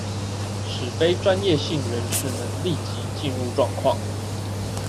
使非專業性人士能立即進入狀況